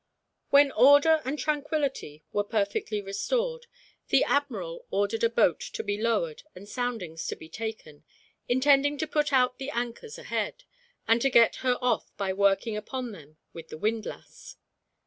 When order and tranquility were perfectly restored, the admiral ordered a boat to be lowered and soundings to be taken, intending to put out the anchors ahead, and to get her off by working upon them with the windlass.